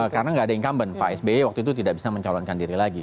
karena gak ada incumbent pak sby waktu itu tidak bisa mencalonkan diri lagi